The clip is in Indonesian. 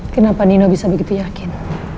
kenapa nino bisa begitu yakin